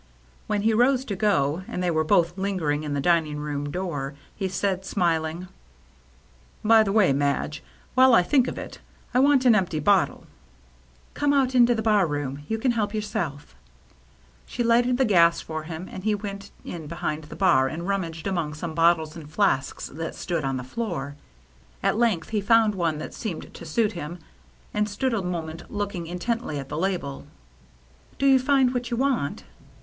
When he rose to go, and they were both lingering in the dining room door, he said, smiling, " By the way, Madge, while I think of it, I want an empty bottle." "Come out into the bar room. You can help yourself." She lighted the gas for him, and he went in behind the bar and rummaged among some bottles and flasks that stood on the floor. At length he found one that seemed to suit him, and stood a moment looking intently at the label. " Do you find what you want